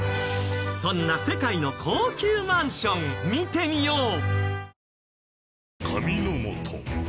そんな世界の高級マンション見てみよう！